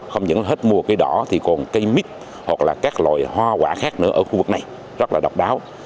không những hết mùa cây đỏ thì còn cây mít hoặc là các loại hoa quả khác nữa ở khu vực này rất là độc đáo